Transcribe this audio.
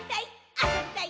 あそびたい！」